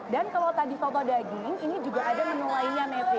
dan kalau tadi soto daging ini juga ada menu lainnya mepri